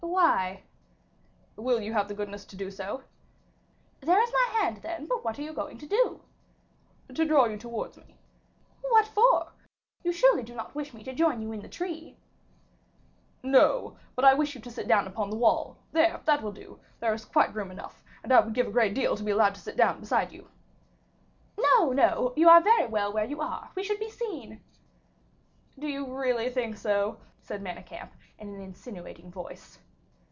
"Why?" "Will you have the goodness to do so?" "There is my hand, then; but what are you going to do?" "To draw you towards me." "What for? You surely do not wish me to join you in the tree?" "No; but I wish you to sit down upon the wall; there, that will do; there is quite room enough, and I would give a great deal to be allowed to sit down beside you." "No, no; you are very well where you are; we should be seen." "Do you really think so?" said Manicamp, in an insinuating voice.